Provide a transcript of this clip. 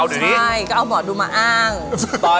เดี๋ยวก็จะไม่ได้แต่งอีกแล้ว